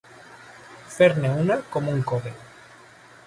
Fer-ne una com un cove.